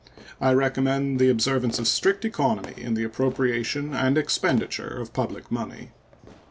I recommend the observance of strict economy in the appropriation and expenditure of public money.